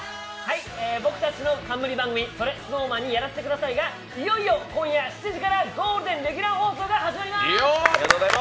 僕たちの冠番組「それＳｎｏｗＭａｎにやらせて下さい」がいよいよ今夜７時からゴールデンレギュラー放送が始まります。